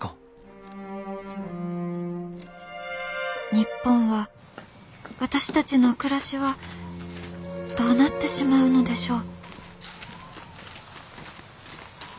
「日本は私たちの暮らしはどうなってしまうのでしょう」。